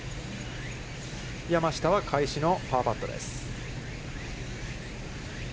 山下は返しのパーパットです。